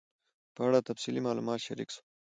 په اړه تفصیلي معلومات شریک سول